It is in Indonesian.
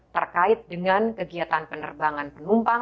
terkait dengan kegiatan penerbangan penumpang